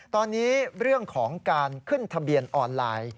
ตอนนี้เรื่องของการขึ้นทะเบียนออนไลน์